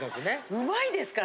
うまいですから！